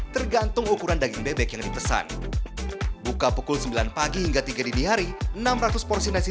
tergantung ukuran daging bebek yang dipesan buka pukul sembilan pagi hingga tiga dini hari enam ratus porsi nasi